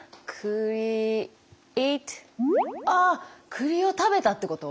栗を食べたってこと？